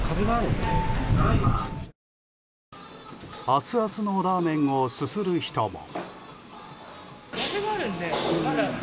アツアツのラーメンをすする人も。